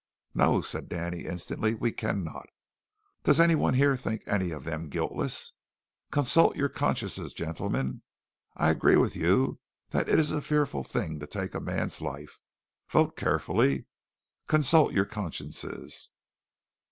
"No," said Danny instantly, "we cannot. Does any one here think any of them guiltless? Consult your consciences, gentlemen. I agree with you that it is a fearful thing to take a man's life. Vote carefully. Consult your consciences."